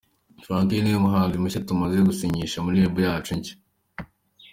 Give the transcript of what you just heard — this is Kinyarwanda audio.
Frankay ni we muhanzi mushya tumaze gusinyisha muri label yacu nshya.